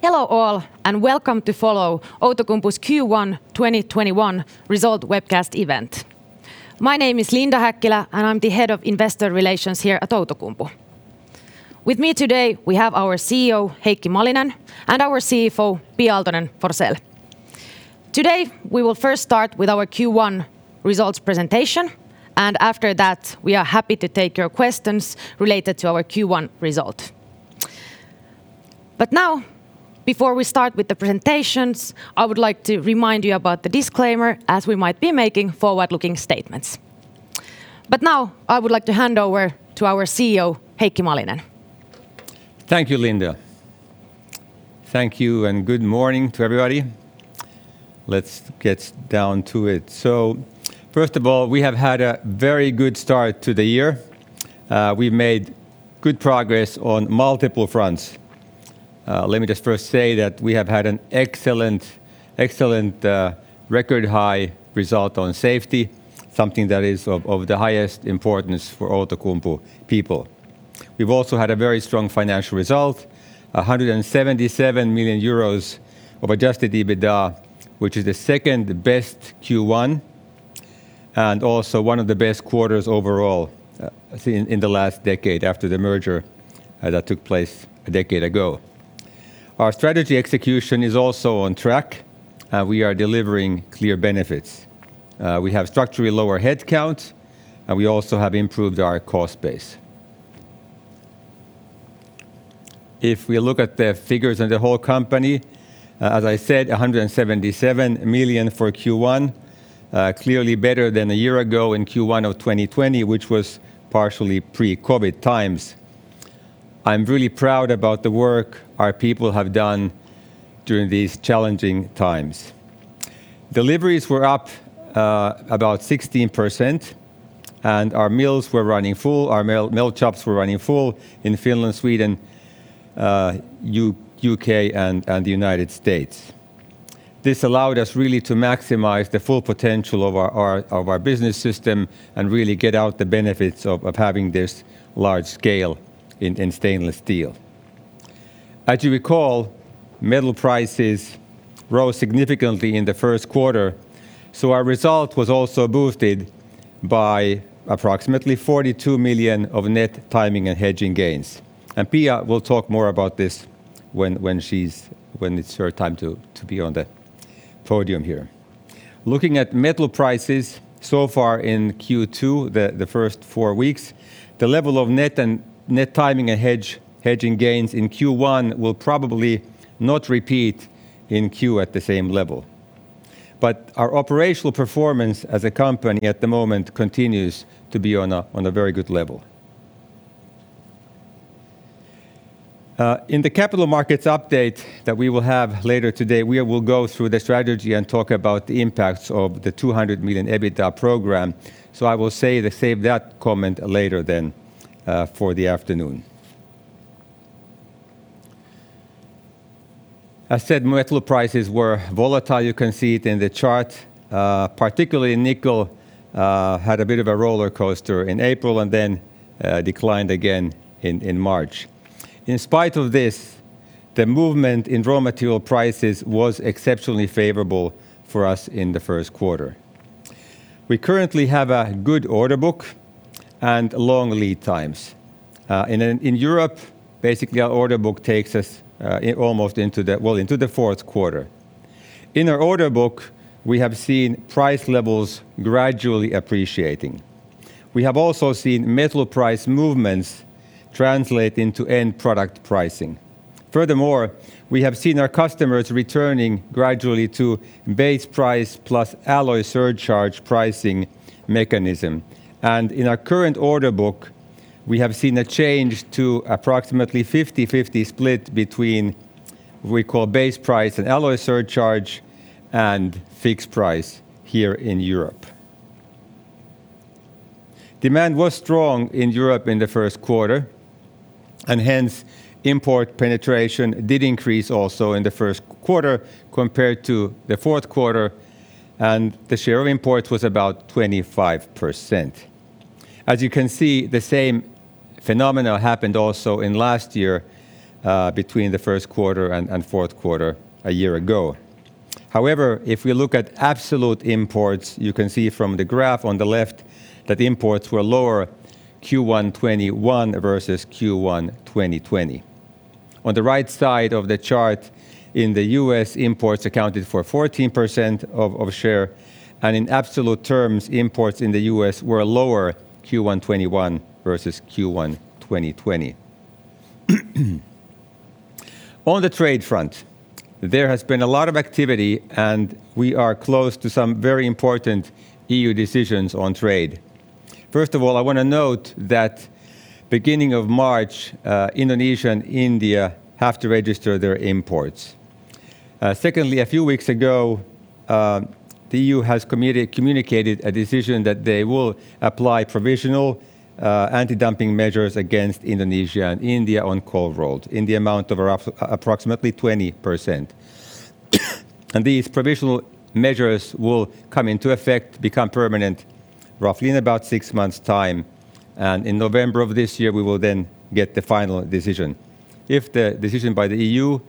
Hello all, and welcome to follow Outokumpu's Q1 2021 result webcast event. My name is Linda Häkkilä, and I'm the Head of Investor Relations here at Outokumpu. With me today, we have our CEO, Heikki Malinen, and our CFO, Pia Aaltonen-Forsell. Today, we will first start with our Q1 results presentation, and after that, we are happy to take your questions related to our Q1 result. Now, before we start with the presentations, I would like to remind you about the disclaimer, as we might be making forward-looking statements. Now, I would like to hand over to our CEO, Heikki Malinen. Thank you, Linda. Thank you, and good morning to everybody. Let's get down to it. First of all, we have had a very good start to the year. We've made good progress on multiple fronts. Let me just first say that we have had an excellent record-high result on safety, something that is of the highest importance for Outokumpu people. We've also had a very strong financial result, 177 million euros of adjusted EBITDA, which is the second-best Q1, and also one of the best quarters overall in the last decade after the merger that took place a decade ago. Our strategy execution is also on track. We are delivering clear benefits. We have structurally lower headcount, and we also have improved our cost base. If we look at the figures in the whole company, as I said, 177 million for Q1, clearly better than a year ago in Q1 of 2020, which was partially pre-COVID times. I'm really proud about the work our people have done during these challenging times. Deliveries were up about 16%. Our mills were running full, our mill shops were running full in Finland, Sweden, U.K., and the United States. This allowed us really to maximize the full potential of our business system and really get out the benefits of having this large scale in stainless steel. As you recall, metal prices rose significantly in the first quarter. Our result was also boosted by approximately 42 million of net timing and hedging gains. Pia will talk more about this when it's her time to be on the podium here. Looking at metal prices so far in Q2, the first four weeks, the level of net timing and hedging gains in Q1 will probably not repeat in Q at the same level. Our operational performance as a company at the moment continues to be on a very good level. In the capital markets update that we will have later today, we will go through the strategy and talk about the impacts of the 200 million EBITDA program. I will save that comment later then for the afternoon. I said metal prices were volatile. You can see it in the chart. Particularly nickel had a bit of a roller coaster in April and then declined again in March. In spite of this, the movement in raw material prices was exceptionally favorable for us in the first quarter. We currently have a good order book and long lead times. In Europe, basically our order book takes us into the fourth quarter. In our order book, we have seen price levels gradually appreciating. We have also seen metal price movements translate into end product pricing. Furthermore, we have seen our customers returning gradually to base price plus alloy surcharge pricing mechanism. In our current order book, we have seen a change to approximately 50/50 split between what we call base price and alloy surcharge and fixed price here in Europe. Demand was strong in Europe in the first quarter, and hence import penetration did increase also in the first quarter compared to the fourth quarter, and the share of imports was about 25%. As you can see, the same phenomenon happened also in last year between the first quarter and fourth quarter a year ago. If we look at absolute imports, you can see from the graph on the left that imports were lower Q1 2021 versus Q1 2020. On the right side of the chart, in the U.S., imports accounted for 14% of share, and in absolute terms, imports in the U.S. were lower Q1 2021 versus Q1 2020. On the trade front, there has been a lot of activity, and we are close to some very important EU decisions on trade. First of all, I want to note that beginning of March, Indonesia and India have to register their imports. Secondly, a few weeks ago, the EU has communicated a decision that they will apply provisional anti-dumping measures against Indonesia and India on cold-rolled in the amount of approximately 20%. These provisional measures will come into effect, become permanent, roughly in about six months' time. In November of this year, we will get the final decision. If the decision by the EU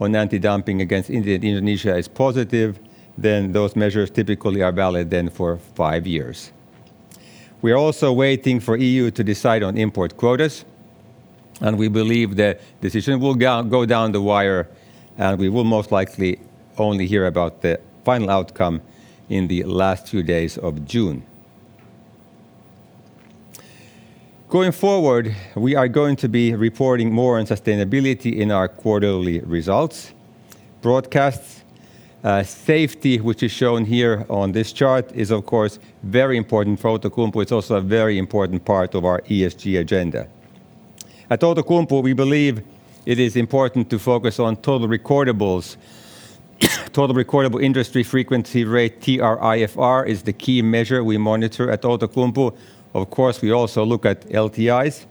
on anti-dumping against India and Indonesia is positive, those measures typically are valid for five years. We are also waiting for EU to decide on import quotas, we believe the decision will go down the wire, we will most likely only hear about the final outcome in the last two days of June. Going forward, we are going to be reporting more on sustainability in our quarterly results broadcasts. Safety, which is shown here on this chart, is, of course, very important for Outokumpu. It's also a very important part of our ESG agenda. At Outokumpu, we believe it is important to focus on total recordables. Total recordable industry frequency rate, TRIFR, is the key measure we monitor at Outokumpu. Of course, we also look at LTIs.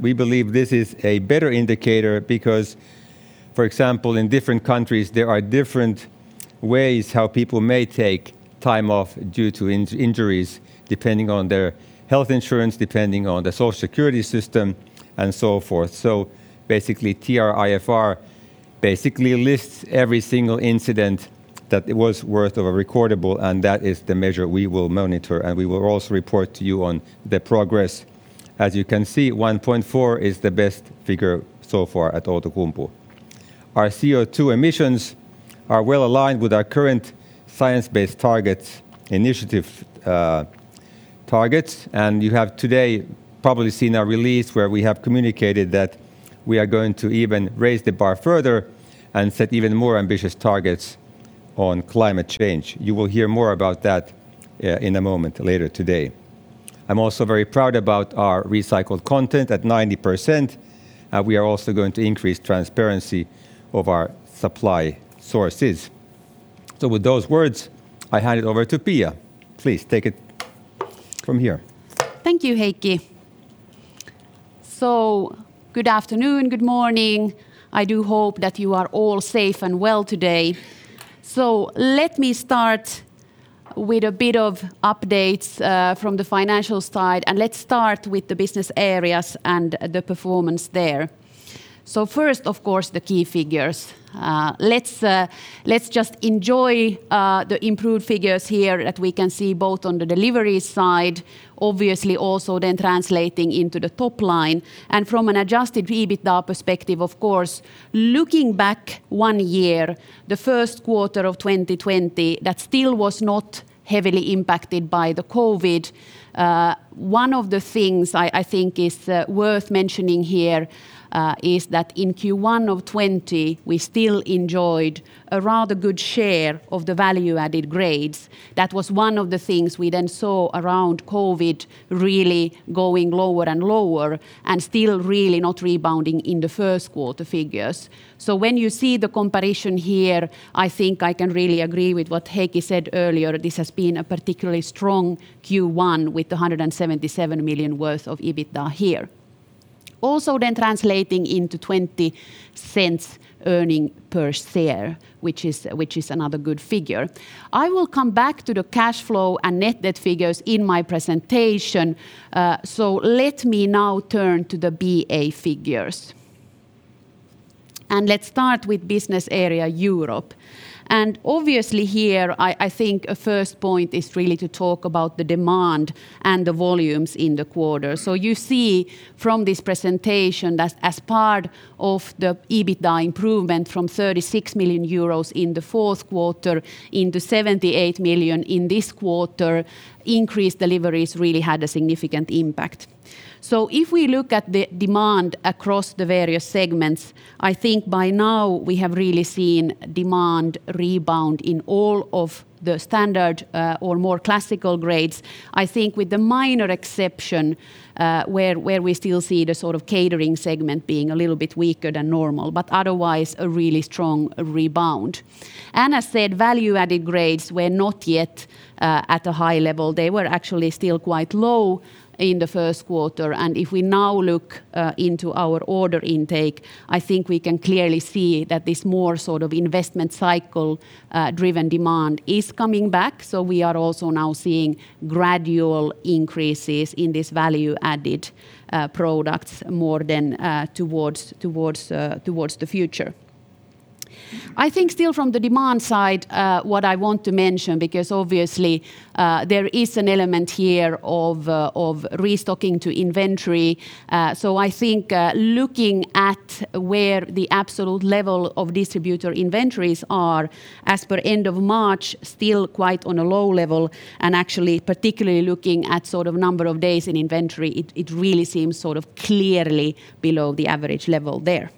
We believe this is a better indicator because, for example, in different countries, there are different ways how people may take time off due to injuries, depending on their health insurance, depending on the Social Security system, and so forth. Basically, TRIFR lists every single incident that was worth of a recordable, and that is the measure we will monitor, and we will also report to you on the progress. As you can see, 1.4 is the best figure so far at Outokumpu. Our CO2 emissions are well-aligned with our current Science Based Targets initiative targets, and you have today probably seen our release where we have communicated that we are going to even raise the bar further and set even more ambitious targets on climate change. You will hear more about that in a moment later today. I'm also very proud about our recycled content at 90%, and we are also going to increase transparency of our supply sources. With those words, I hand it over to Pia. Please take it from here. Thank you, Heikki. Good afternoon, good morning. I do hope that you are all safe and well today. Let me start with a bit of updates from the financial side, and let's start with the business areas and the performance there. First, of course, the key figures. Let's just enjoy the improved figures here that we can see both on the delivery side, obviously also then translating into the top line. From an adjusted EBITDA perspective, of course, looking back one year, the first quarter of 2020, that still was not heavily impacted by the COVID. One of the things I think is worth mentioning here is that in Q1 of 2020, we still enjoyed a rather good share of the value-added grades. That was one of the things we then saw around COVID really going lower and lower and still really not rebounding in the first quarter figures. When you see the comparison here, I think I can really agree with what Heikki said earlier. This has been a particularly strong Q1 with 177 million worth of EBITDA here. Translating into 0.20 earning per share, which is another good figure. I will come back to the cash flow and net debt figures in my presentation. Let me now turn to the BA figures. Let's start with Business Area Europe. Obviously here, I think a first point is really to talk about the demand and the volumes in the quarter. You see from this presentation that as part of the EBITDA improvement from 36 million euros in the fourth quarter into 78 million in this quarter, increased deliveries really had a significant impact. If we look at the demand across the various segments, I think by now we have really seen demand rebound in all of the standard or more classical grades. I think with the minor exception, where we still see the sort of catering segment being a little bit weaker than normal, but otherwise, a really strong rebound. As said, value-added grades were not yet at a high level. They were actually still quite low in the first quarter. If we now look into our order intake, I think we can clearly see that this more investment cycle-driven demand is coming back. We are also now seeing gradual increases in these value-added products more than towards the future. I think still from the demand side, what I want to mention, because obviously there is an element here of restocking to inventory. I think looking at where the absolute level of distributor inventories are as per end of March, still quite on a low level, and actually particularly looking at number of days in inventory, it really seems clearly below the average level there.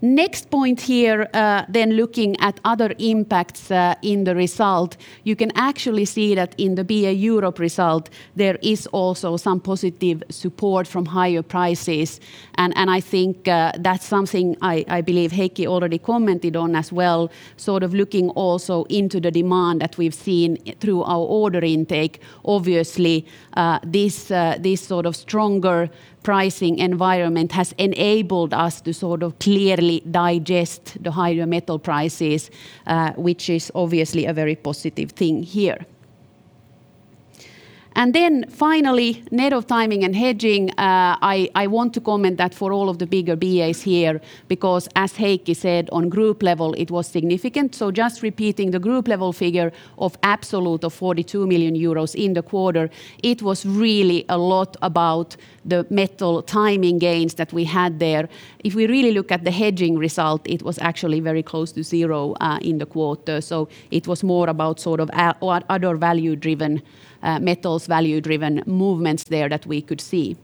Next point here, looking at other impacts in the result, you can actually see that in the BA Europe result, there is also some positive support from higher prices. I think that's something I believe Heikki already commented on as well, sort of looking also into the demand that we've seen through our order intake. Obviously, this sort of stronger pricing environment has enabled us to clearly digest the higher metal prices, which is obviously a very positive thing here. Finally, net of timing and hedging, I want to comment that for all of the bigger BAs here, because as Heikki said, on group level, it was significant. Just repeating the group level figure of absolute of 42 million euros in the quarter, it was really a lot about the metal timing gains that we had there. If we really look at the hedging result, it was actually very close to zero in the quarter. It was more about other metals value-driven movements there that we could see.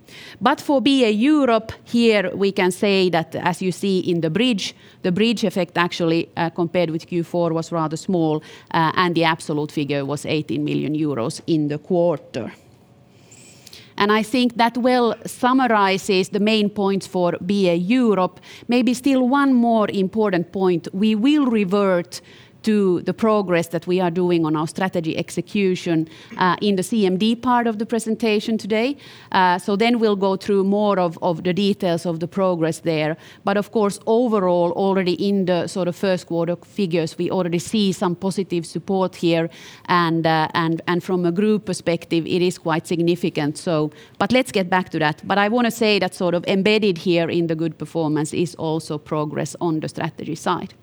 For BA Europe here, we can say that as you see in the bridge, the bridge effect actually compared with Q4 was rather small, and the absolute figure was 18 million euros in the quarter. I think that well summarizes the main points for BA Europe. Maybe still one more important point, we will revert to the progress that we are doing on our strategy execution in the CMD part of the presentation today. Then we'll go through more of the details of the progress there. Of course, overall, already in the first quarter figures, we already see some positive support here, and from a group perspective, it is quite significant. Let's get back to that. I want to say that embedded here in the good performance is also progress on the strategy side.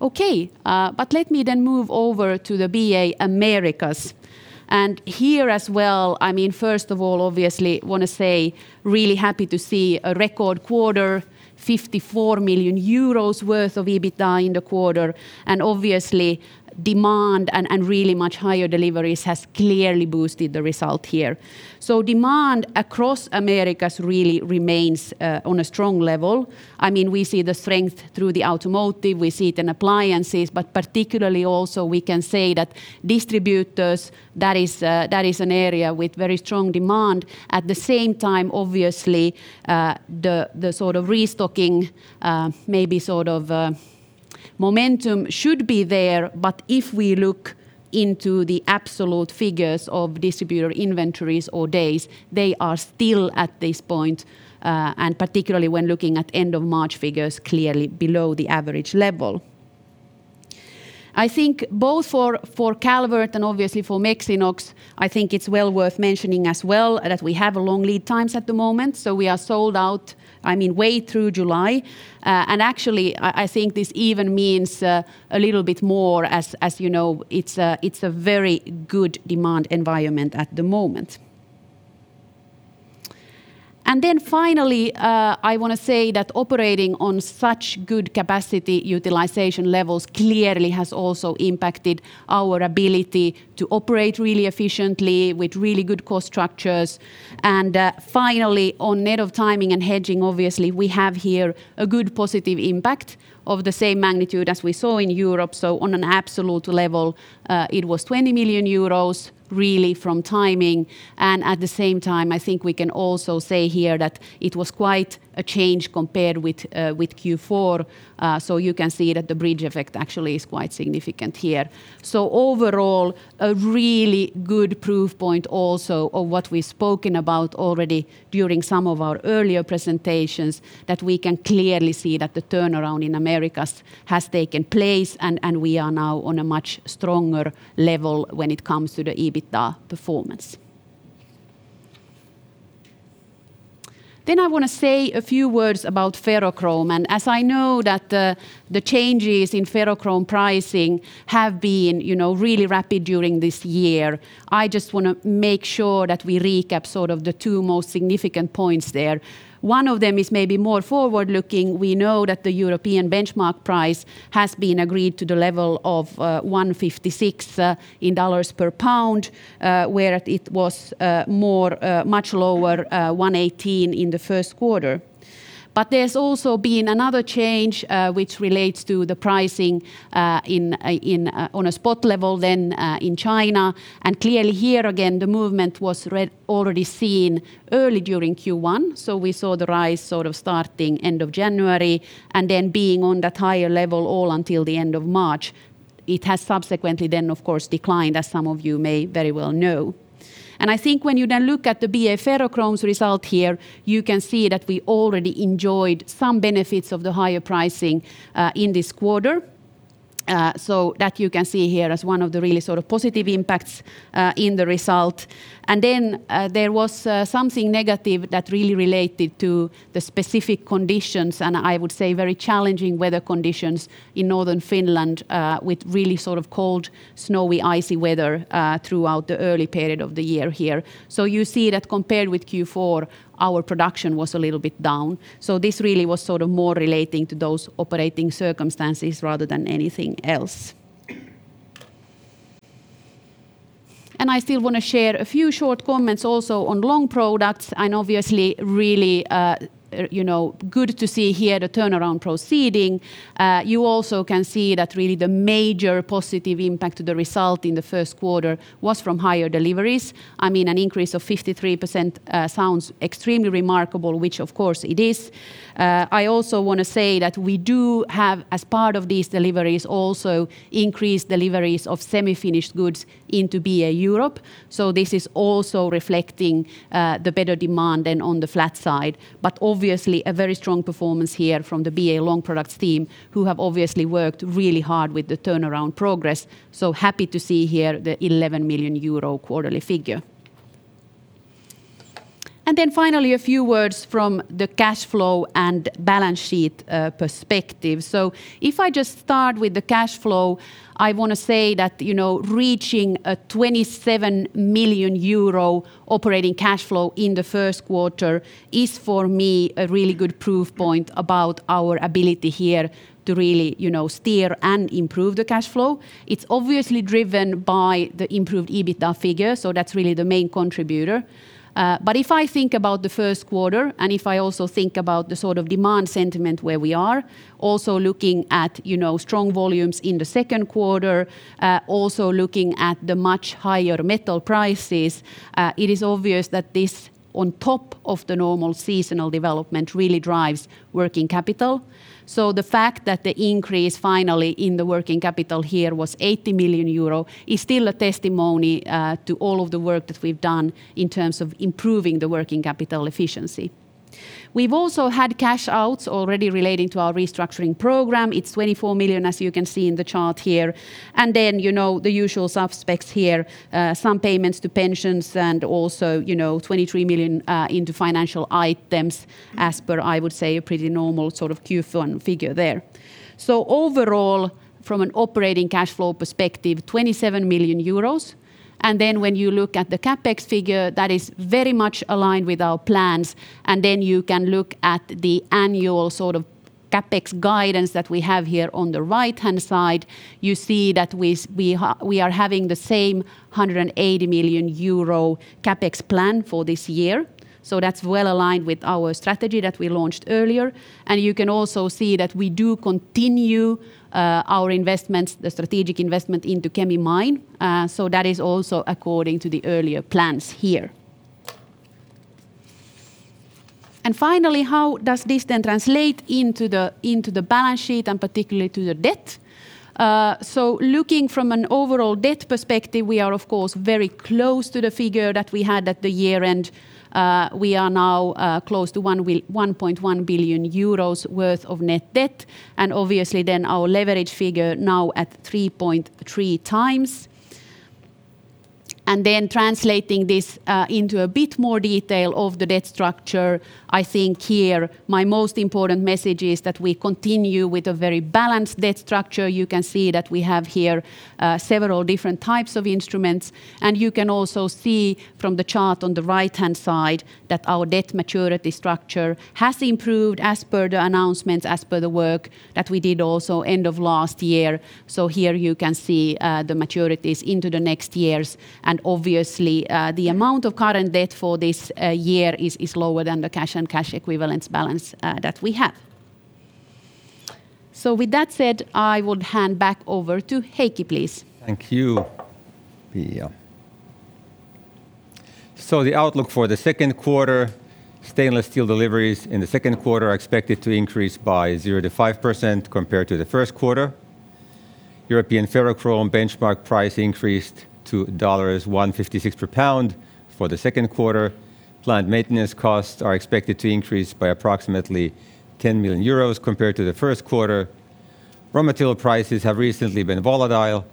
Okay, let me then move over to the BA Americas. Here as well, first of all, obviously, want to say really happy to see a record quarter, 54 million euros worth of EBITDA in the quarter, and obviously demand and really much higher deliveries has clearly boosted the result here. Demand across Americas really remains on a strong level. We see the strength through the automotive, we see it in appliances, but particularly also we can say that distributors, that is an area with very strong demand. At the same time, obviously, the restocking maybe momentum should be there, but if we look into the absolute figures of distributor inventories or days, they are still at this point, and particularly when looking at end of March figures, clearly below the average level. I think both for Business Area Americas and obviously for Mexinox, I think it's well worth mentioning as well that we have long lead times at the moment, so we are sold out way through July. Actually, I think this even means a little bit more, as you know, it's a very good demand environment at the moment. Finally, I want to say that operating on such good capacity utilization levels clearly has also impacted our ability to operate really efficiently with really good cost structures. Finally, on net of timing and hedging, obviously, we have here a good positive impact of the same magnitude as we saw in Europe. On an absolute level, it was 20 million euros really from timing. At the same time, I think we can also say here that it was quite a change compared with Q4, so you can see that the bridge effect actually is quite significant here. Overall, a really good proof point also of what we've spoken about already during some of our earlier presentations, that we can clearly see that the turnaround in Americas has taken place, and we are now on a much stronger level when it comes to the EBITDA performance. I want to say a few words about ferrochrome, and as I know that the changes in ferrochrome pricing have been really rapid during this year, I just want to make sure that we recap the two most significant points there. One of them is maybe more forward-looking. We know that the European benchmark price has been agreed to the level of $156 per pound, where it was much lower, $118 in the first quarter. There's also been another change, which relates to the pricing on a spot level than in China. Clearly here again, the movement was already seen early during Q1. We saw the rise starting end of January, and then being on that higher level all until the end of March. It has subsequently then, of course, declined, as some of you may very well know. I think when you then look at the BA Ferrochrome's result here, you can see that we already enjoyed some benefits of the higher pricing in this quarter. That you can see here as one of the really positive impacts in the result. There was something negative that really related to the specific conditions, and I would say very challenging weather conditions in Northern Finland, with really cold, snowy, icy weather throughout the early period of the year here. You see that compared with Q4, our production was a little bit down. This really was more relating to those operating circumstances rather than anything else. I still want to share a few short comments also on long products, and obviously really good to see here the turnaround proceeding. You also can see that really the major positive impact to the result in the first quarter was from higher deliveries. An increase of 53% sounds extremely remarkable, which of course it is. I also want to say that we do have, as part of these deliveries, also increased deliveries of semi-finished goods into BA Europe. This is also reflecting the better demand than on the flat side. Obviously a very strong performance here from the BA Long Products team, who have obviously worked really hard with the turnaround progress. Happy to see here the 11 million euro quarterly figure. Finally, a few words from the cash flow and balance sheet perspective. If I just start with the cash flow, I want to say that reaching a 27 million euro operating cash flow in the first quarter is for me a really good proof point about our ability here to really steer and improve the cash flow. It's obviously driven by the improved EBITDA figure, so that's really the main contributor. If I think about the first quarter, and if I also think about the demand sentiment where we are, also looking at strong volumes in the second quarter, also looking at the much higher metal prices, it is obvious that this, on top of the normal seasonal development, really drives working capital. The fact that the increase finally in the working capital here was 80 million euro is still a testimony to all of the work that we've done in terms of improving the working capital efficiency. We've also had cash outs already relating to our restructuring program. It's 24 million, as you can see in the chart here. The usual suspects here, some payments to pensions and also 23 million into financial items as per, I would say, a pretty normal Q1 figure there. Overall, from an operating cash flow perspective, 27 million euros. When you look at the CapEx figure, that is very much aligned with our plans, then you can look at the annual CapEx guidance that we have here on the right-hand side. You see that we are having the same 180 million euro CapEx plan for this year. That's well-aligned with our strategy that we launched earlier. You can also see that we do continue our strategic investment into Kemi mine. That is also according to the earlier plans here. Finally, how does this then translate into the balance sheet and particularly to the debt? Looking from an overall debt perspective, we are of course very close to the figure that we had at the year-end. We are now close to 1.1 billion euros worth of net debt, and obviously then our leverage figure now at 3.3 times. Translating this into a bit more detail of the debt structure, I think here my most important message is that we continue with a very balanced debt structure. You can see that we have here several different types of instruments, and you can also see from the chart on the right-hand side that our debt maturity structure has improved as per the announcements, as per the work that we did also end of last year. Here you can see the maturities into the next years, and obviously, the amount of current debt for this year is lower than the cash and cash equivalents balance that we have. With that said, I would hand back over to Heikki, please. Thank you, Pia. The outlook for the second quarter, stainless steel deliveries in the second quarter are expected to increase by zero to 5% compared to the first quarter. European ferrochrome benchmark price increased to $1.56 per pound for the second quarter. Plant maintenance costs are expected to increase by approximately 10 million euros compared to the first quarter. Raw material prices have recently been volatile.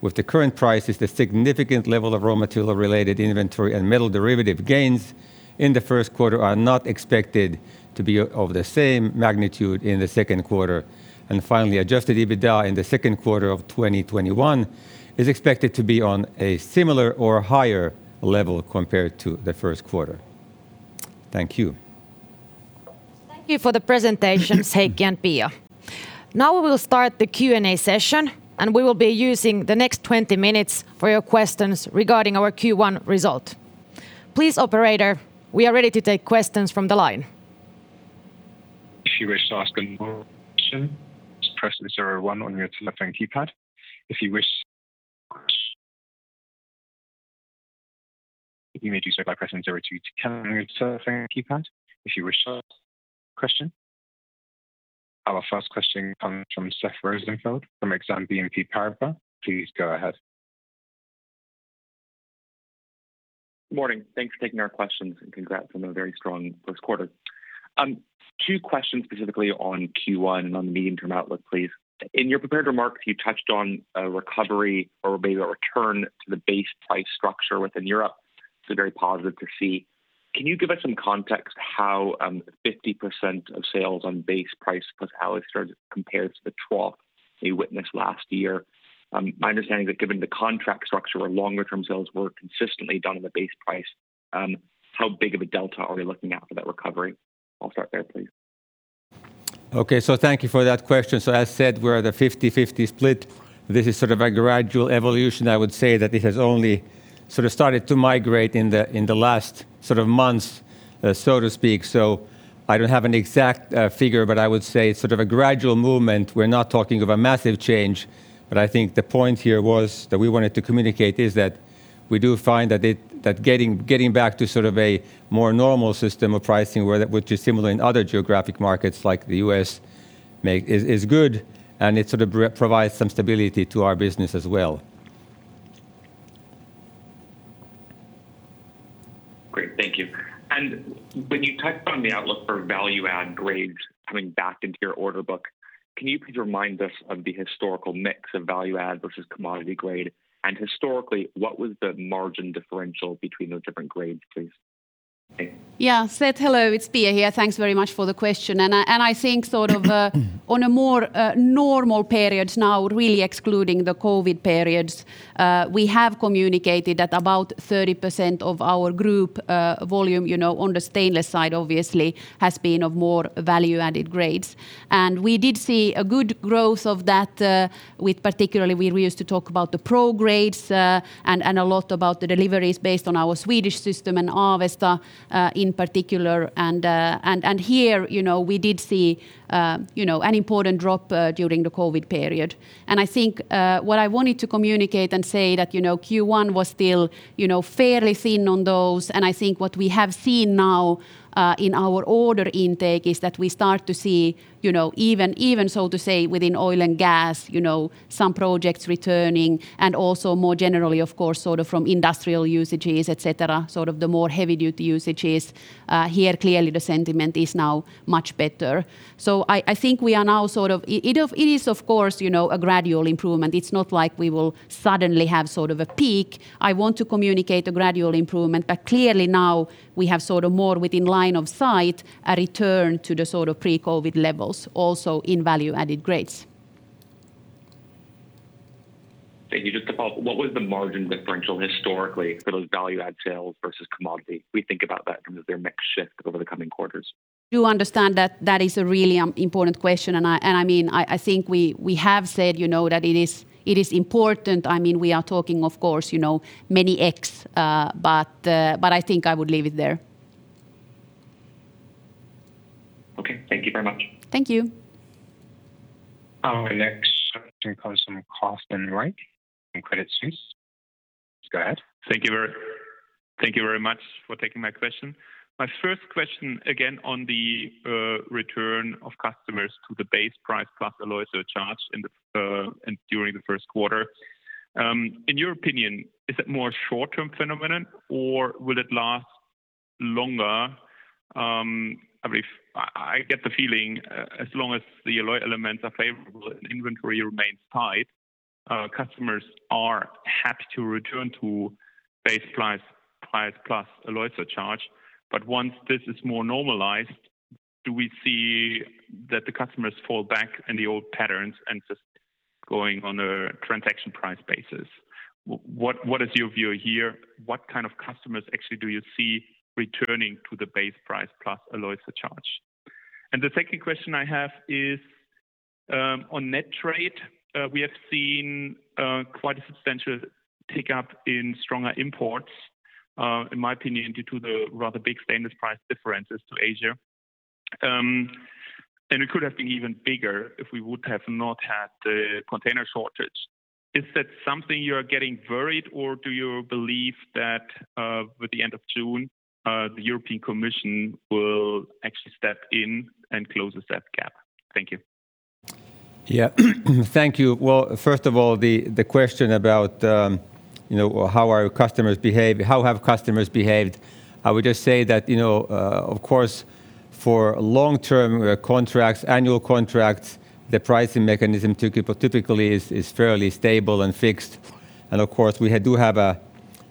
With the current prices, the significant level of raw material-related inventory and metal derivative gains in the first quarter are not expected to be of the same magnitude in the second quarter. Finally, adjusted EBITDA in the second quarter of 2021 is expected to be on a similar or higher level compared to the first quarter. Thank you. Thank you for the presentations, Heikki and Pia. Now we will start the Q&A session, and we will be using the next 20 minutes for your questions regarding our Q1 result. Please, operator, we are ready to take questions from the line. If you wish to ask an question, just press zero one on your telephone keypad. If you wish you may do so by pressing zero two on your telephone keypad. Our first question comes from Seth Rosenfeld from Exane BNP Paribas. Please go ahead. Morning. Thanks for taking our questions, and congrats on a very strong first quarter. Two questions specifically on Q1 and on the medium-term outlook, please. In your prepared remarks, you touched on a recovery or maybe a return to the base price structure within Europe. It is very positive to see. Can you give us some context how 50% of sales on base price plus alloy starts compared to the trough we witnessed last year? My understanding that given the contract structure where longer-term sales were consistently done in the base price, how big of a delta are we looking at for that recovery? I will start there, please. Thank you for that question. As said, we're at a 50/50 split. This is a gradual evolution, I would say, that it has only started to migrate in the last months, so to speak. I don't have an exact figure, but I would say sort of a gradual movement. We're not talking of a massive change, but I think the point here that we wanted to communicate is that we do find that getting back to a more normal system of pricing, which is similar in other geographic markets like the U.S. market, is good, and it provides some stability to our business as well. Great. Thank you. When you touched on the outlook for value-add grades coming back into your order book, can you please remind us of the historical mix of value-add versus commodity grade? Historically, what was the margin differential between those different grades, please? Yeah, Seth, hello, it's Pia here. Thanks very much for the question. I think on a more normal period now, really excluding the COVID periods, we have communicated that about 30% of our group volume on the stainless side obviously has been of more value-added grades. We did see a good growth of that with particularly we used to talk about the Pro grades, and a lot about the deliveries based on our Swedish system and Alvesta in particular. Here, we did see an important drop during the COVID period. I think what I wanted to communicate and say that Q1 was still fairly thin on those, and I think what we have seen now in our order intake is that we start to see even so to say, within oil and gas, some projects returning, and also more generally, of course, from industrial usages, et cetera, the more heavy-duty usages. Here, clearly the sentiment is now much better. I think it is, of course, a gradual improvement. It's not like we will suddenly have a peak. I want to communicate a gradual improvement, but clearly now we have more within line of sight, a return to the pre-COVID levels, also in value-added grades. Thank you. Just to follow up, what was the margin differential historically for those value-add sales versus commodity? We think about that kind of their mix shift over the coming quarters. Do understand that is a really important question, and I think we have said that it is important. We are talking of course, many X, but I think I would leave it there. Okay. Thank you very much. Thank you. Our next question comes from Carsten Riek from Credit Suisse. Go ahead. Thank you very much for taking my question. My first question, again on the return of customers to the base price plus alloy surcharge during the first quarter. In your opinion, is it more short-term phenomenon, or will it last longer? I get the feeling as long as the alloy elements are favorable and inventory remains tight, customers are happy to return to base price plus alloy surcharge. Once this is more normalized, do we see that the customers fall back in the old patterns and just going on a transaction price basis? What is your view here? What kind of customers actually do you see returning to the base price plus alloy surcharge? The second question I have is, on net trade, we have seen quite a substantial pickup in stronger imports, in my opinion, due to the rather big stainless price differences to Asia. It could have been even bigger if we would have not had the container shortage. Is that something you are getting worried or do you believe that, with the end of June, the European Commission will actually step in and close that gap? Thank you. Yeah. Thank you. Well, first of all, the question about how have customers behaved? I would just say that, of course, for long-term contracts, annual contracts, the pricing mechanism typically is fairly stable and fixed. Of course, we do have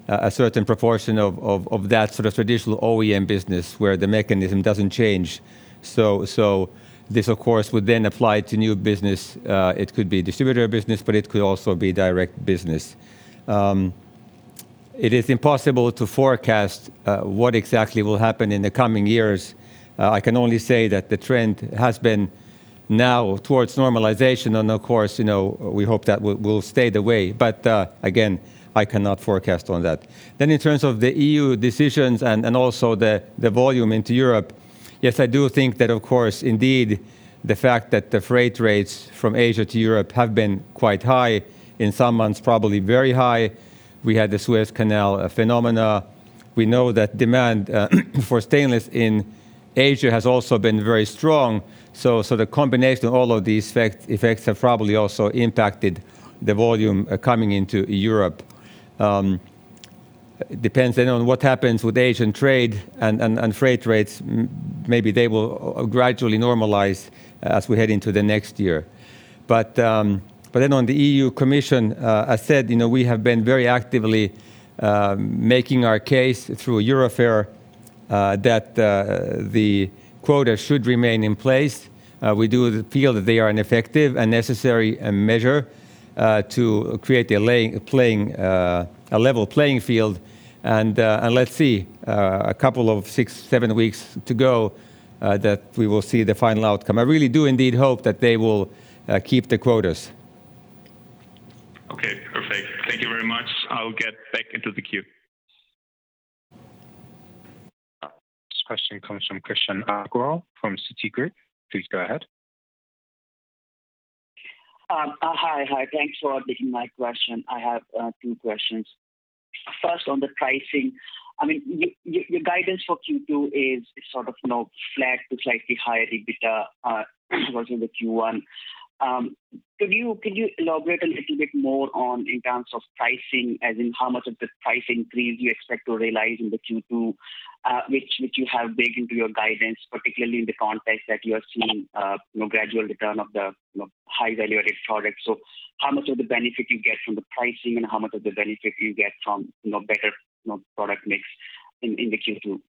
a certain proportion of that sort of traditional OEM business where the mechanism doesn't change. This of course, would then apply to new business. It could be distributor business, but it could also be direct business. It is impossible to forecast what exactly will happen in the coming years. I can only say that the trend has been now towards normalization. Of course, we hope that will stay the way. Again, I cannot forecast on that. In terms of the European Union decisions and also the volume into Europe, yes, I do think that, of course, indeed, the fact that the freight rates from Asia to Europe have been quite high, in some months probably very high. We had the Suez Canal phenomena. We know that demand for stainless in Asia has also been very strong. The combination of all of these effects have probably also impacted the volume coming into Europe. Depends then on what happens with Asian trade and freight rates. Maybe they will gradually normalize as we head into the next year. On the European Commission, as said, we have been very actively making our case through EUROFER, that the quota should remain in place. We do feel that they are an effective and necessary measure, to create a level playing field. Let's see, a couple of six, seven weeks to go, that we will see the final outcome. I really do indeed hope that they will keep the quotas. Okay, perfect. Thank you very much. I will get back into the queue. This question comes from Krishan Agarwal from Citigroup. Please go ahead. Hi. Thanks for taking my question. I have two questions. First, on the pricing, your guidance for Q2 is sort of flat to slightly higher EBITDA versus the Q1. Could you elaborate a little bit more on in terms of pricing, as in how much of the price increase you expect to realize in the Q2, which you have baked into your guidance, particularly in the context that you are seeing gradual return of the high value-added products? How much of the benefit you get from the pricing and how much of the benefit you get from better product mix in the Q2?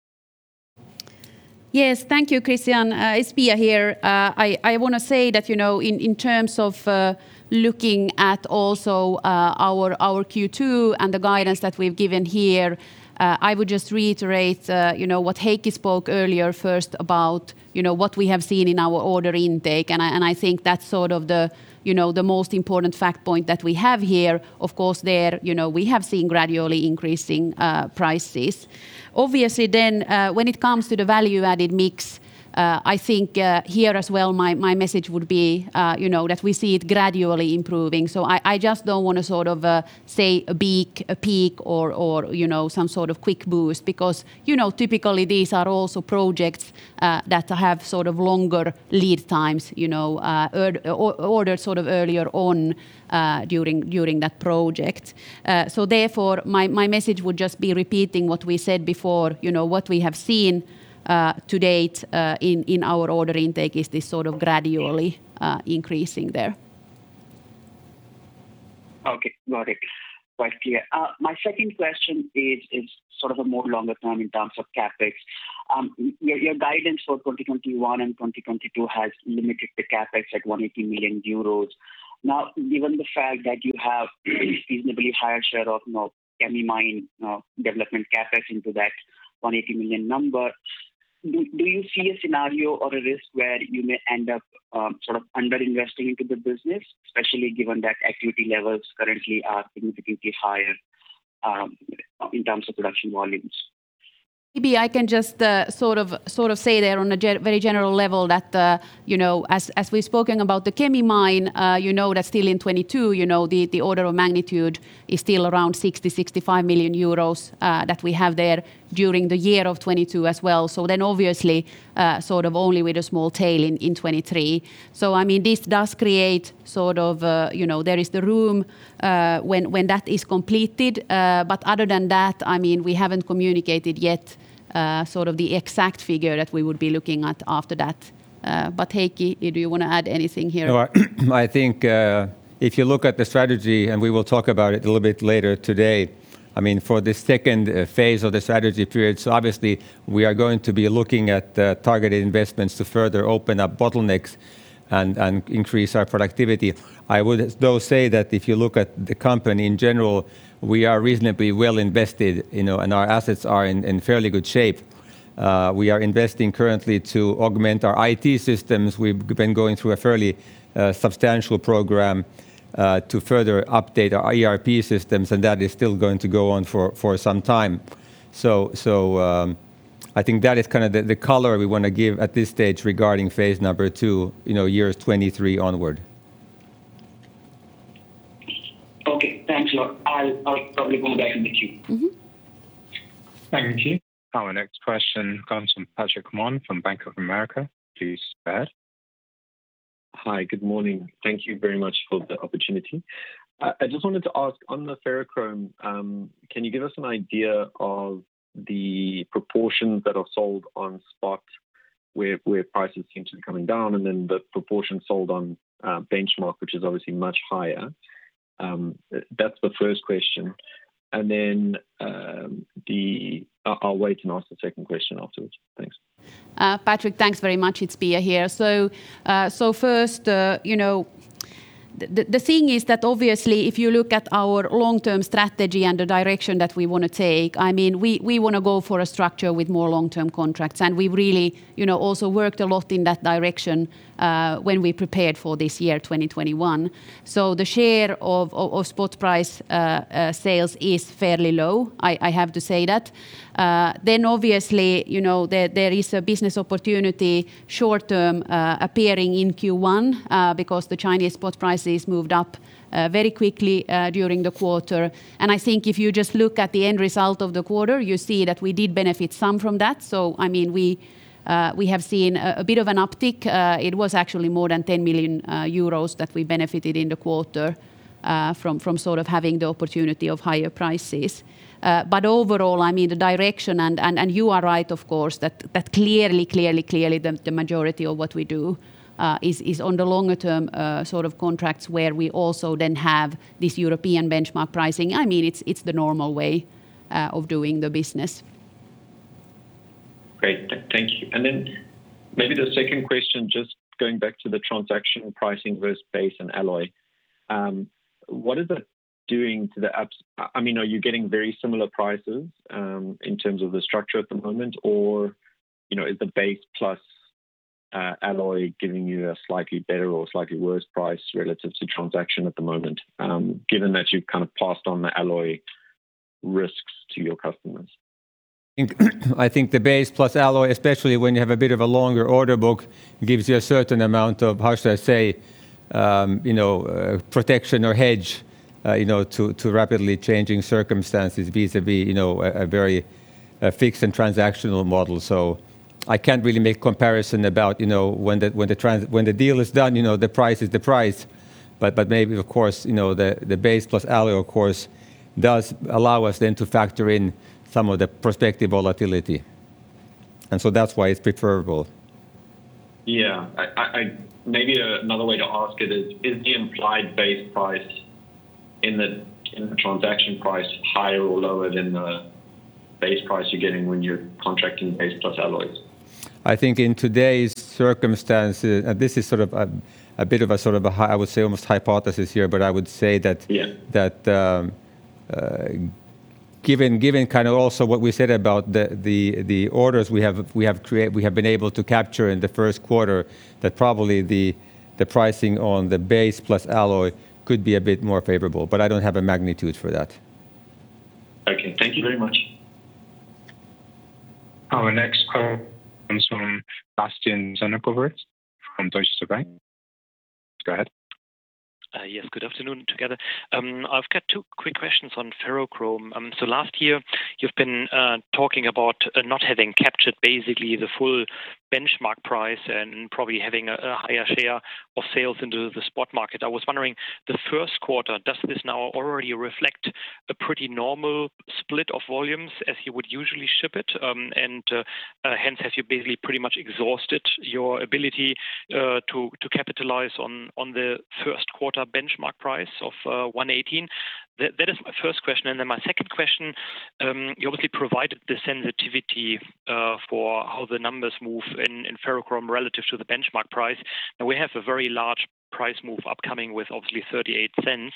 Yes. Thank you, Krishan. It's Pia here. I want to say that, in terms of looking at also our Q2 and the guidance that we've given here, I would just reiterate what Heikki spoke earlier first about what we have seen in our order intake, and I think that's sort of the most important fact point that we have here. Of course, there, we have seen gradually increasing prices. Obviously then, when it comes to the value-added mix, I think, here as well, my message would be that we see it gradually improving. I just don't want to say a peak or some sort of quick boost because typically these are also projects that have longer lead times, ordered earlier on during that project. Therefore, my message would just be repeating what we said before. What we have seen to date in our order intake is this gradually increasing there. Okay. Got it. Quite clear. My second question is sort of a more longer term in terms of CapEx. Your guidance for 2021 and 2022 has limited the CapEx at 180 million euros. Given the fact that you have a reasonably higher share of Kemi mine development CapEx into that 180 million number, do you see a scenario or a risk where you may end up under-investing into the business, especially given that activity levels currently are significantly higher in terms of production volumes? Maybe I can just say there on a very general level that as we've spoken about the Kemi Mine, you know that still in 2022, the order of magnitude is still around 60 million-65 million euros that we have there during the year of 2022 as well. Obviously, only with a small tail in 2023. This does create, there is the room when that is completed. Other than that, we haven't communicated yet the exact figure that we would be looking at after that. Heikki, do you want to add anything here? No. I think, if you look at the strategy, and we will talk about it a little bit later today, for the second phase of the strategy period, obviously we are going to be looking at targeted investments to further open up bottlenecks and increase our productivity. I would, though, say that if you look at the company in general, we are reasonably well invested, and our assets are in fairly good shape. We are investing currently to augment our IT systems. We've been going through a fairly substantial program to further update our ERP systems, that is still going to go on for some time. I think that is kind of the color we want to give at this stage regarding phase number two, years 2023 onward. Okay, thanks a lot. I'll probably go back in the queue. Thank you. Our next question comes from Patrick Mann from Bank of America. Please go ahead. Hi. Good morning. Thank you very much for the opportunity. I just wanted to ask on the ferrochrome, can you give us an idea of the proportions that are sold on spot where prices seem to be coming down, and then the proportion sold on benchmark, which is obviously much higher? That's the first question. I'll wait and ask the second question afterwards. Thanks. Patrick, thanks very much. It's Pia here. First, the thing is that obviously if you look at our long-term strategy and the direction that we want to take, we want to go for a structure with more long-term contracts, and we've really also worked a lot in that direction when we prepared for this year, 2021. The share of spot price sales is fairly low, I have to say that. Obviously, there is a business opportunity short-term appearing in Q1 because the Chinese spot prices moved up very quickly during the quarter. I think if you just look at the end result of the quarter, you see that we did benefit some from that. We have seen a bit of an uptick. It was actually more than 10 million euros that we benefited in the quarter from having the opportunity of higher prices. Overall, the direction, and you are right, of course, that clearly the majority of what we do is on the longer-term contracts where we also then have this European benchmark pricing. It's the normal way of doing the business. Great. Thank you. Then maybe the second question, just going back to the transaction pricing versus base and alloy. Are you getting very similar prices in terms of the structure at the moment, or is the base plus alloy giving you a slightly better or slightly worse price relative to transaction at the moment, given that you've kind of passed on the alloy risks to your customers? I think the base plus alloy, especially when you have a bit of a longer order book, gives you a certain amount of, how should I say, protection or hedge to rapidly changing circumstances vis-a-vis a very fixed and transactional model. I can't really make comparison about when the deal is done, the price is the price, but maybe the base plus alloy, of course, does allow us then to factor in some of the prospective volatility. That's why it's preferable. Yeah. Maybe another way to ask it is: is the implied base price in the transaction price higher or lower than the base price you're getting when you're contracting base plus alloys? I think in today's circumstances, this is a bit of a, I would say almost hypothesis here. I would say that. Yeah given also what we said about the orders we have been able to capture in the first quarter, that probably the pricing on the base plus alloy could be a bit more favorable. I don't have a magnitude for that. Okay. Thank you very much. Our next call comes from Bastian Synagowitz from Deutsche Bank. Go ahead. Yes, good afternoon together. I have got two quick questions on ferrochrome. Last year you have been talking about not having captured basically the full benchmark price and probably having a higher share of sales into the spot market. I was wondering, the first quarter, does this now already reflect a pretty normal split of volumes as you would usually ship it? Hence, have you basically pretty much exhausted your ability to capitalize on the first quarter benchmark price of 1.18? That is my first question. My second question, you obviously provided the sensitivity for how the numbers move in ferrochrome relative to the benchmark price. We have a very large price move upcoming with obviously 0.38. Hence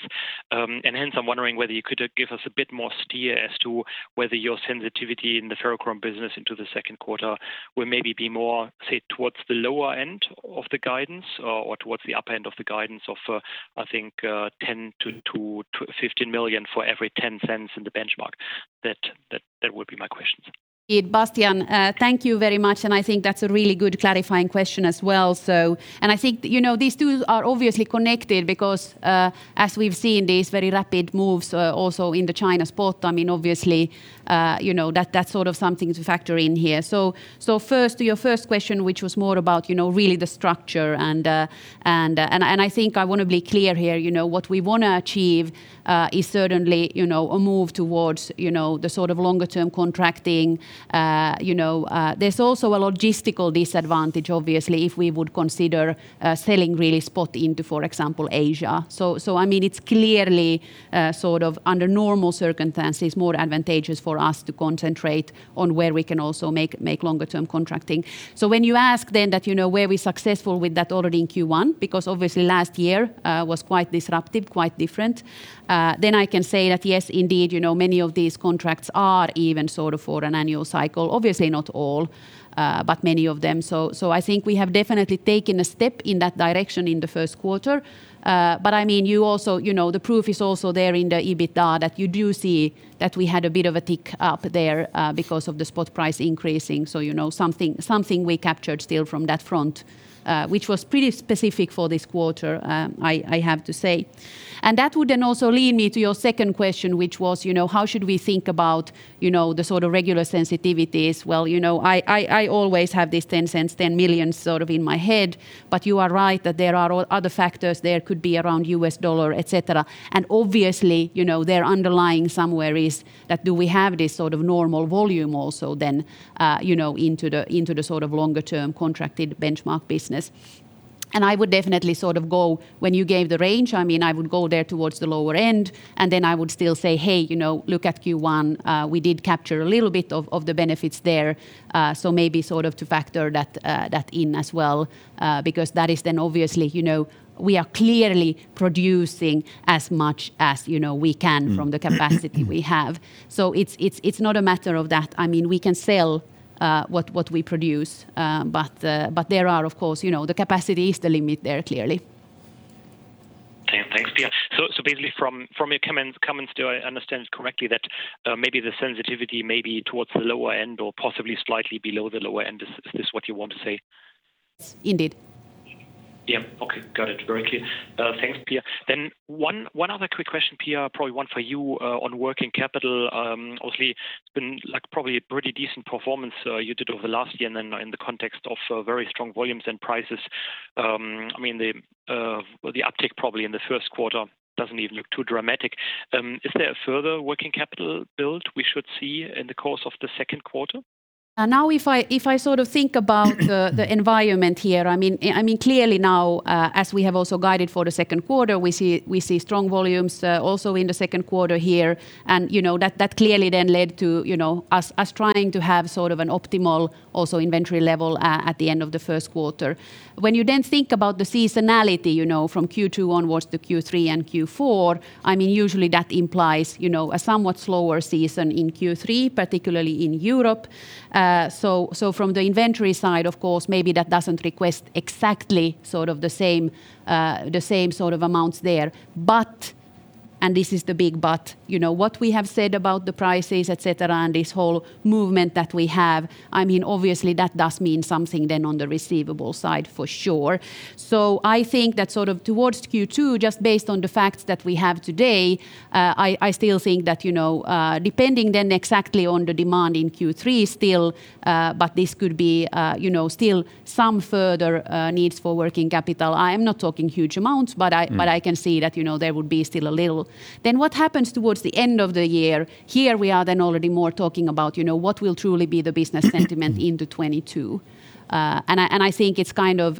I am wondering whether you could give us a bit more steer as to whether your sensitivity in the ferrochrome business into the second quarter will maybe be more, say, towards the lower end of the guidance or towards the upper end of the guidance of, I think, 10 million-15 million for every 0.10 in the benchmark. That would be my questions. Bastian, thank you very much, and I think that's a really good clarifying question as well. I think these two are obviously connected because, as we've seen these very rapid moves also in the China spot, obviously that's something to factor in here. To your first question, which was more about really the structure and I think I want to be clear here. What we want to achieve is certainly a move towards the longer-term contracting. There's also a logistical disadvantage, obviously, if we would consider selling really spot into, for example, Asia. It's clearly, under normal circumstances, more advantageous for us to concentrate on where we can also make longer-term contracting. When you ask that were we successful with that already in Q1, because obviously last year was quite disruptive, quite different, I can say that yes, indeed, many of these contracts are even for an annual cycle. Obviously not all, but many of them. I think we have definitely taken a step in that direction in the first quarter. The proof is also there in the EBITDA that you do see that we had a bit of a tick up there because of the spot price increasing. Something we captured still from that front, which was pretty specific for this quarter, I have to say. That would also lead me to your second question, which was how should we think about the regular sensitivities? Well, I always have this 0.10, 10 million in my head. You are right that there are other factors there could be around U.S. dollar, et cetera. Obviously there underlying somewhere is that do we have this normal volume also then into the longer-term contracted benchmark business? I would definitely go, when you gave the range, I would go there towards the lower end, then I would still say, "Hey, look at Q1." We did capture a little bit of the benefits there. Maybe to factor that in as well, because that is then obviously we are clearly producing as much as we can from the capacity we have. It's not a matter of that. We can sell what we produce. There are, of course, the capacity is the limit there, clearly. Thanks, Pia. Basically from your comments, do I understand correctly that maybe the sensitivity may be towards the lower end or possibly slightly below the lower end? Is this what you want to say? Indeed. Yeah. Okay. Got it. Very clear. Thanks, Pia. One other quick question, Pia, probably one for you on working capital. Obviously it's been probably a pretty decent performance you did over the last year and then in the context of very strong volumes and prices. The uptake probably in the first quarter doesn't even look too dramatic. Is there a further working capital build we should see in the course of the second quarter? If I think about the environment here, clearly now, as we have also guided for the second quarter, we see strong volumes also in the second quarter here, and that clearly then led to us trying to have an optimal also inventory level at the end of the first quarter. When you then think about the seasonality from Q2 onwards to Q3 and Q4, usually that implies a somewhat slower season in Q3, particularly in Europe. From the inventory side, of course, maybe that doesn't request exactly the same sort of amounts there. And this is the big but. What we have said about the prices, et cetera, and this whole movement that we have, obviously that does mean something then on the receivable side, for sure. I think that towards Q2, just based on the facts that we have today, I still think that depending then exactly on the demand in Q3 still, but this could be still some further needs for working capital. I am not talking huge amounts, but I can see that there would be still a little. What happens towards the end of the year, here we are then already more talking about what will truly be the business sentiment into 2022. I think it's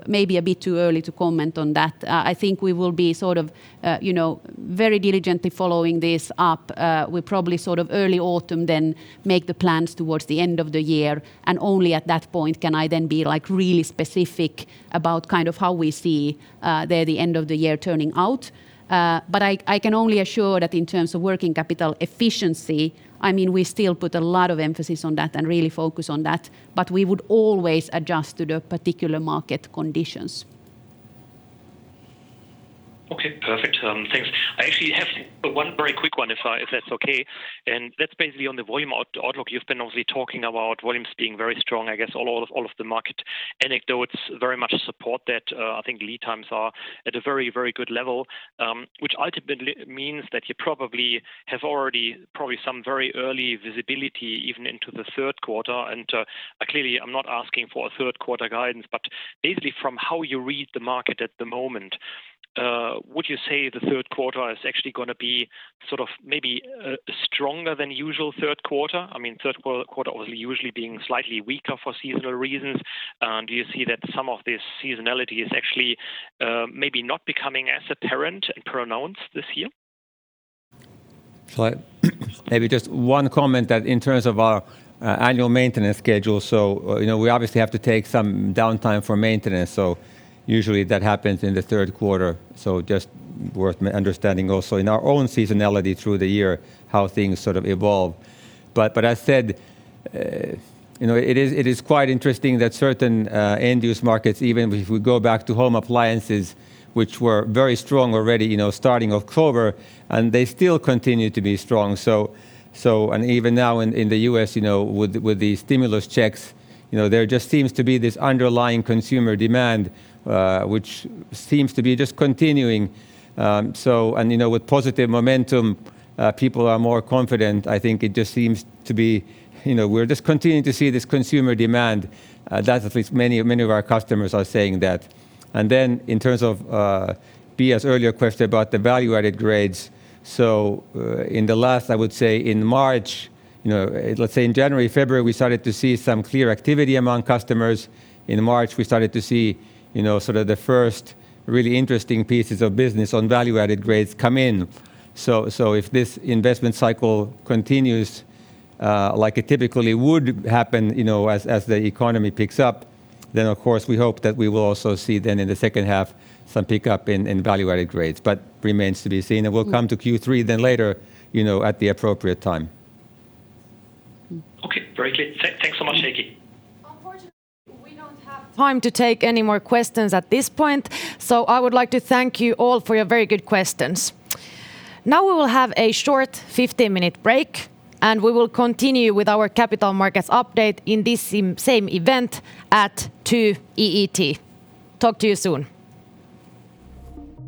maybe a bit too early to comment on that. I think we will be very diligently following this up. We'll probably early autumn then make the plans towards the end of the year, and only at that point can I then be really specific about how we see the end of the year turning out. I can only assure that in terms of working capital efficiency, we still put a lot of emphasis on that and really focus on that, but we would always adjust to the particular market conditions. Okay, perfect. Thanks. I actually have one very quick one if that's okay, and that's basically on the volume outlook. You've been obviously talking about volumes being very strong. I guess all of the market anecdotes very much support that. I think lead times are at a very good level, which ultimately means that you probably have already probably some very early visibility even into the third quarter. Clearly I'm not asking for a third quarter guidance, but basically from how you read the market at the moment, would you say the third quarter is actually going to be maybe a stronger than usual third quarter? Third quarter usually being slightly weaker for seasonal reasons. Do you see that some of this seasonality is actually maybe not becoming as apparent and pronounced this year? Maybe just one comment that in terms of our annual maintenance schedule, we obviously have to take some downtime for maintenance, usually that happens in the third quarter. Just worth understanding also in our own seasonality through the year how things evolve. As said, it is quite interesting that certain end-use markets, even if we go back to home appliances, which were very strong already starting of October, and they still continue to be strong. Even now in the U.S. with the stimulus checks, there just seems to be this underlying consumer demand, which seems to be just continuing. With positive momentum, people are more confident. I think it just seems to be we're just continuing to see this consumer demand. That at least many of our customers are saying that. Then in terms of Pia's earlier question about the value-added grades, in the last, I would say in March, let's say in January, February, we started to see some clear activity among customers. In March, we started to see the first really interesting pieces of business on value-added grades come in. If this investment cycle continues like it typically would happen as the economy picks up, then of course we hope that we will also see then in the second half some pickup in value-added grades. Remains to be seen, and we'll come to Q3 then later at the appropriate time. Okay, very clear. Thanks so much, Heikki. Unfortunately, we don't have time to take any more questions at this point. I would like to thank you all for your very good questions. We will have a short 15-minute break. We will continue with our capital markets update in this same event at 2:00 EET. Talk to you soon.